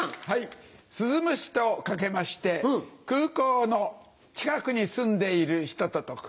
鈴虫と掛けまして空港の近くに住んでいる人と解く。